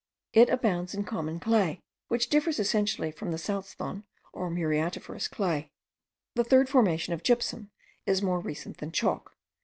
It abounds in common clay, which differs essentially from the salzthon or muriatiferous clay. The third formation of gypsum is more recent than chalk.